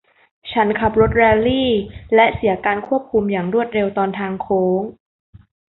ฉันขับรถแรลลี่ และเสียการควบคุมอย่างรวดเร็วตอนทางโค้ง